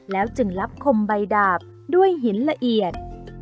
จึงรับคมใบดาบด้วยหินละเอียด